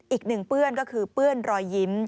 อีกหนึ่งเปื้อนก็คือเปื้อนรอยยิ้ม